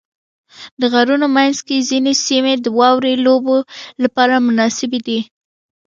د غرونو منځ کې ځینې سیمې د واورې لوبو لپاره مناسبې دي.